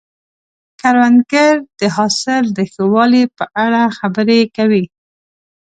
کروندګر د حاصل د ښه والي په اړه خبرې کوي